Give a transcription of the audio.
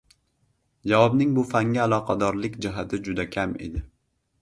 javobning bu fanga aloqadorlik jihati juda kam edi.